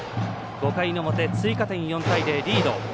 ５回の表、追加点４対０リード。